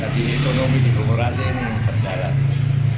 jadi ekonomi di bungurasi ini berjalan